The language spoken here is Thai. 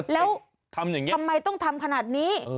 แล้วทำอย่างนี้ทำไมต้องทำขนาดนี้